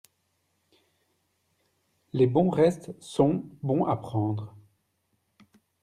les bons restes sont bons à prendre.